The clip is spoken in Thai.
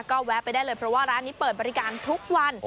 ก็แวะไปได้เลยเพราะว่าร้านนี้เปิดบริการทุกวัน